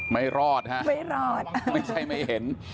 ไม่รอดฮะไม่รอดไม่ใช่ไม่เห็น